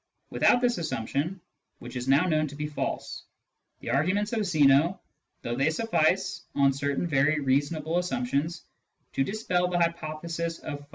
Without this assumption, which is now known to be false, the arguments of Zeno, though they suffice (on certain very reasonable assumptions) to dispel the hypothesis of finite * Simplidus, Phys.